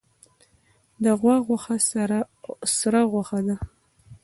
د غوا غوښه سره غوښه ده